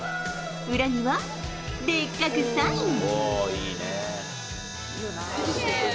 裏には、でっかくサイン。